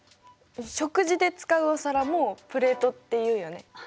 食事で使うお皿もプレートって言うよね。